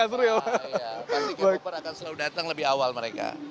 pasti k poper akan selalu datang lebih awal mereka